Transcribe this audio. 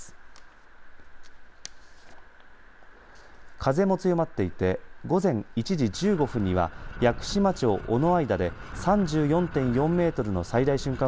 風も強まっていて午前１時１５分には屋久島町尾之間で３４．４メートルの最大瞬間